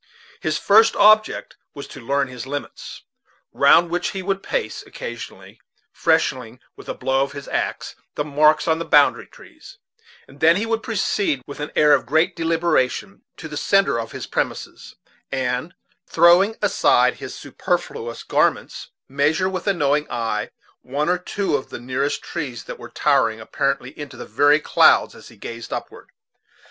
His first object was to learn his limits, round which he would pace, occasionally freshening, with a blow of his axe, the marks on the boundary trees; and then he would proceed, with an air of great deliberation, to the centre of his premises, and, throwing aside his superfluous garments, measure, with a knowing eye, one or two of the nearest trees that were towering apparently into the very clouds as he gazed upward.